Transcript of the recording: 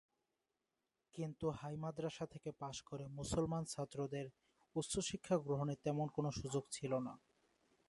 কিন্ত হাই মাদ্রাসা থেকে পাশ করে মুসলমান ছাত্রদের উচ্চশিক্ষা গ্রহণের তেমন কোন সুযোগ ছিল না।